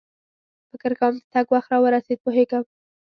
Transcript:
فکر کوم د تګ وخت را ورسېد، پوهېږم.